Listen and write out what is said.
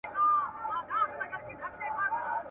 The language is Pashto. دوست اشارې ته ګوري او دښمن وارې ته !.